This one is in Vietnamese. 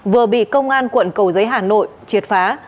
vừa bị công an quận cầu giấy hà nội triệt phá